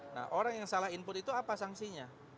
nah orang yang salah input itu apa sanksinya